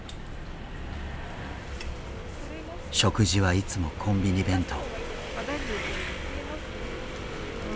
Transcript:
食事はいつもコンビニ弁当。